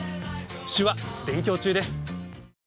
手話勉強中です。